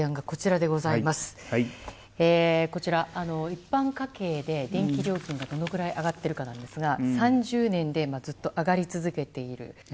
一般家計で電気料金がどのぐらい上がっているかですが３０年でずっと上がり続けている。